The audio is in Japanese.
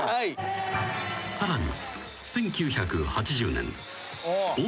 ［さらに］